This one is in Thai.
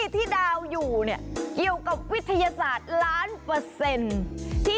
ที่ดาวอยู่เนี่ยเกี่ยวกับวิทยาศาสตร์ล้านเปอร์เซ็นต์